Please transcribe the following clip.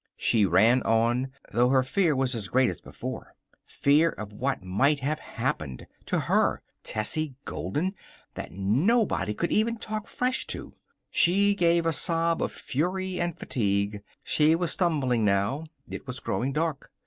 She ran on, though her fear was as great as before. Fear of what might have happened to her, Tessie Golden, that nobody could even talk fresh to. She gave a sob of fury and fatigue. She was stumbling now. It was growing dark.